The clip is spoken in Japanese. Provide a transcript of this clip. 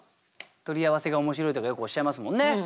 取り合わせが面白いとかよくおっしゃいますもんね。